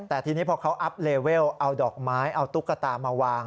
แต่ทีนี้พอเขาอัพเลเวลเอาดอกไม้เอาตุ๊กตามาวาง